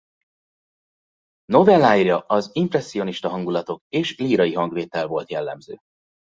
Novelláira az impresszionista hangulatok és lírai hangvétel volt jellemző.